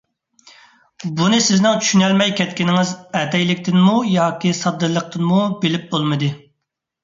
بۇنى سىزنىڭ چۈشىنەلمەي كەتكىنىڭىز ئەتەيلىكتىنمۇ ياكى ساددىلىقتىنمۇ بىلىپ بولمىدى.